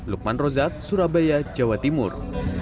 lukman rozak surabaya jawa timur